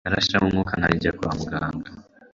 ntarashiramo umwuka njya kwa muganga